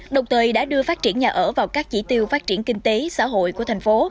đồng thời đã đưa phát triển nhà ở vào các chỉ tiêu phát triển kinh tế xã hội của thành phố